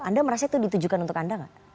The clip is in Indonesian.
anda merasa itu ditujukan untuk anda nggak